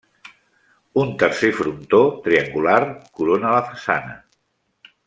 Un tercer frontó, triangular, corona la façana.